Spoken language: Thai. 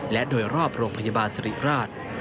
และโดยรอบโรงพยาบาลสิริราช